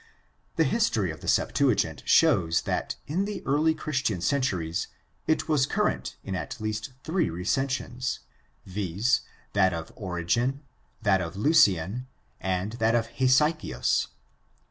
The his tory of the Septuagint shows that in the early Christian centuries it was current in at least three recensions, viz., that of Origen, that of Lucian, and that of Hesychius.